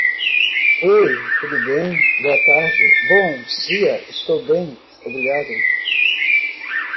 oi tudo bem boa tarde bom dia estou bem obrigado